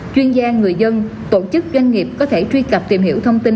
chuyên gia người dân tổ chức doanh nghiệp có thể truy cập tìm hiểu thông tin